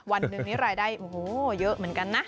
วันหนึ่งนี้รายได้โอ้โหเยอะเหมือนกันนะ